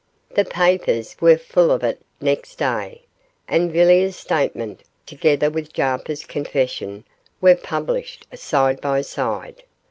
The papers were full of it next day, and Villiers' statement, together with Jarper's confession, were published side by side.